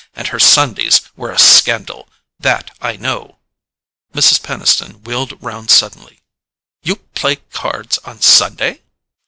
And her Sundays were a scandal—that I know." Mrs. Peniston wheeled round suddenly. "You play cards on Sunday?"